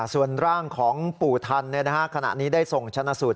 ส่วนร่างของปู่ทันขณะนี้ได้ส่งชนะสูตร